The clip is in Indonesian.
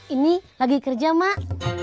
ini lagi kerja mak